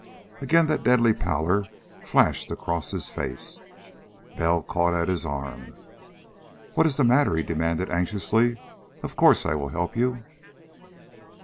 Again that deadly pallor flashed across his face. Bell caught at his arm. "What is the matter?" he demanded anxiously. "Of course I'll help you."